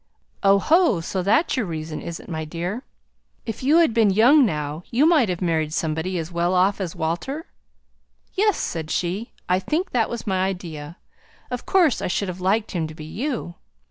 "Oh, ho! so that's your reason, is it, my dear? If you had been young now you might have married somebody as well off as Walter?" "Yes!" said she. "I think that was my idea. Of course I should have liked him to be you.